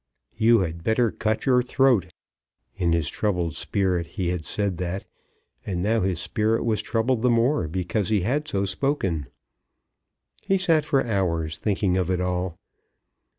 "You had better cut your throat!" In his troubled spirit he had said that, and now his spirit was troubled the more because he had so spoken. He sat for hours thinking of it all.